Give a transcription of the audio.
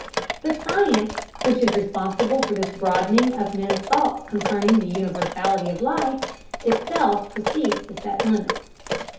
But science, which is responsible for this broadening of men's thoughts concerning the universality of life, itself proceeds to set limits.